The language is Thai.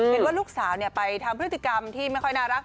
เห็นว่าลูกสาวไปทำพฤติกรรมที่ไม่ค่อยน่ารัก